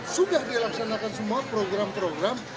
sudah dilaksanakan semua program program